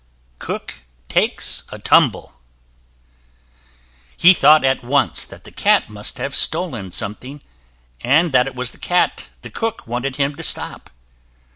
He thought at once that the cat must have stolen something, and that it was the cat the cook wanted him to stop.